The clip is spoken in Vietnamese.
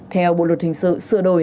theo bộ luật hình sự sửa đổi